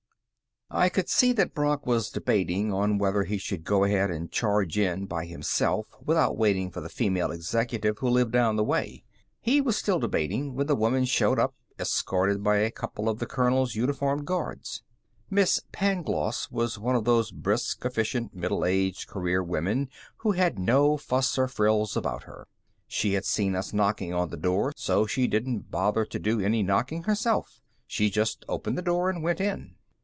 I could see that Brock was debating on whether he should go ahead and charge in by himself without waiting for the female executive who lived down the way. He was still debating when the woman showed up, escorted by a couple of the colonel's uniformed guards. Miss Pangloss was one of those brisk, efficient, middle aged career women who had no fuss or frills about her. She had seen us knocking on the door, so she didn't bother to do any knocking herself. She just opened the door and went in.